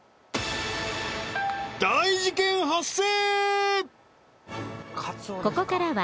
大事件発生！